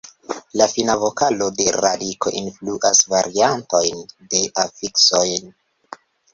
La fina vokalo de radiko influas variantojn de afiksoj.